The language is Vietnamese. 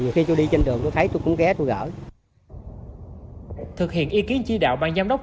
nhiều khi tôi đi trên đường tôi thấy tôi cũng ghé tôi gỡ thực hiện ý kiến chỉ đạo ban giám đốc